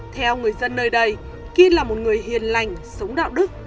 theo người dân nơi đây khi là một người hiền lành sống đạo đức